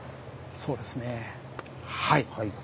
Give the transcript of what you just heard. そうですねはい。